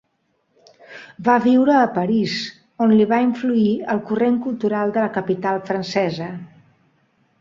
Va viure a París, on li va influir el corrent cultural de la capital francesa.